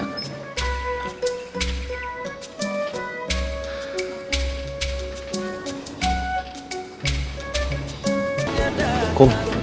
kira kira kita dibutuhkan tidaknya